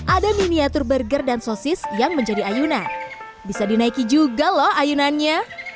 ada miniatur burger dan sosis yang menjadi ayunan bisa dinaikkan dengan kaki atau kaki yang berwarna merah